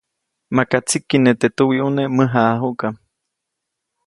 Maka tsikiʼne teʼ tuwiʼune mäjaʼajuʼkam.